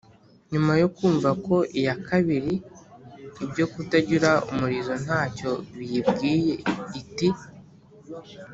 nyuma yo kumva ko iya kabiri ibyo kutagira umurizo nta cyo biyibwiye, iti